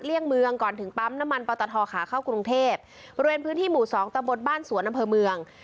เมืองก่อนถึงปั๊มน้ำมันปอตทขาเข้ากรุงเทพบริเวณพื้นที่หมู่สองตะบนบ้านสวนอำเภอเมือง